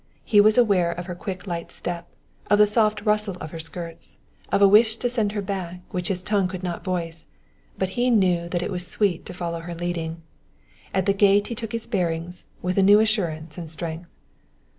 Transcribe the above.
He was aware of her quick light step, of the soft rustle of her skirts, of a wish to send her back, which his tongue could not voice; but he knew that it was sweet to follow her leading. At the gate he took his bearings with a new assurance and strength.